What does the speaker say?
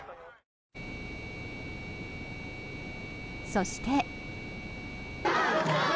そして。